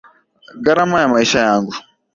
Gharama ya maisha yangu.